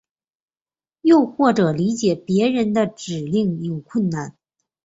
又或者理解别人的指令有困难。